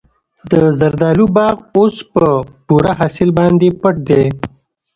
د زردالو باغ اوس په پوره حاصل باندې پټ دی.